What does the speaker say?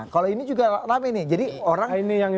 kalau ini juga rame nih jadi orang